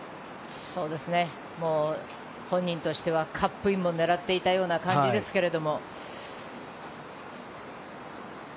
本人としてはカップインも狙っていたような感じですけど。